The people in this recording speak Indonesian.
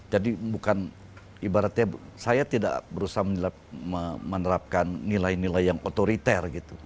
bukan ibaratnya saya tidak berusaha menerapkan nilai nilai yang otoriter gitu